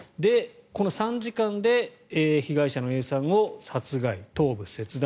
この３時間で被害者のＡさんを殺害、頭部切断